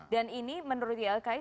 dan ini menurut ylki